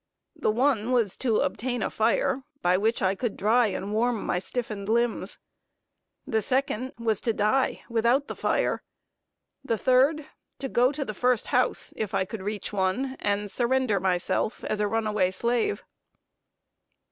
The one was to obtain a fire, by which I could dry and warm my stiffened limbs; the second was to die, without the fire; the third, to go to the first house, if I could reach one, and surrender myself as a runaway slave.